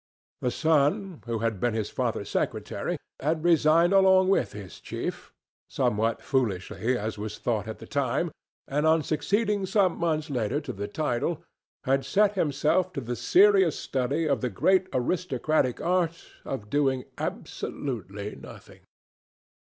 The son, who had been his father's secretary, had resigned along with his chief, somewhat foolishly as was thought at the time, and on succeeding some months later to the title, had set himself to the serious study of the great aristocratic art of doing absolutely nothing.